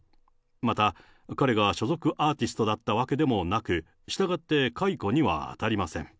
また彼が所属アーティストだったわけでもなく、したがって、解雇には当たりません。